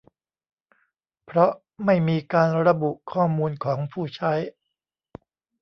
เพราะไม่มีการระบุข้อมูลของผู้ใช้